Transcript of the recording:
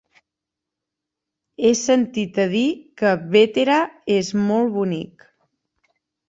He sentit a dir que Bétera és molt bonic.